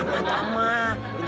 kamu beruntung kali ini